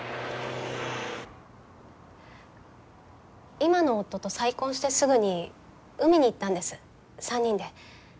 今の夫と再婚してすぐに海に行ったんです３人で。